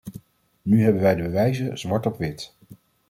Nu hebben wij de bewijzen zwart op wit.